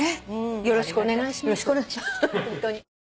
よろしくお願いします。